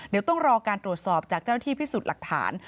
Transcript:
เดี๋ยวต้องรอการตรวจสอบจากเจ้าหน้าที่พิสูจน์หลักฐาน